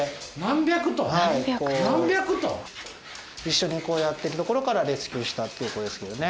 一緒にやってる所からレスキューしたっていう子ですけどね。